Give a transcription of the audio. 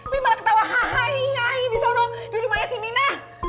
memang ketawa hahai hai disuruh di rumahnya si mina